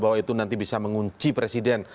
bahwa itu nanti bisa mengunci presiden